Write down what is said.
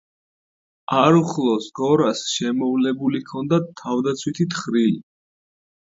არუხლოს გორას შემოვლებული ჰქონდა თავდაცვითი თხრილი.